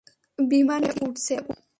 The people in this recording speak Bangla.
বিমান ঠিকভাবে উড়ছে।